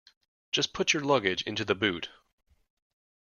Just put your luggage into the boot